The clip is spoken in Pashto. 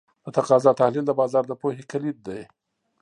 د تقاضا تحلیل د بازار د پوهې کلید دی.